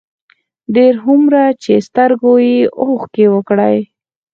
ډېر هومره چې سترګو يې اوښکې وکړې،